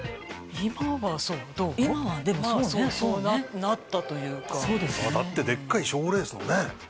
今はそうなったというかだってデッカい賞レースのね